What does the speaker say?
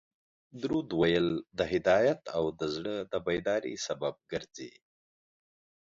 درود ویل د هدایت او د زړه د بیداري سبب ګرځي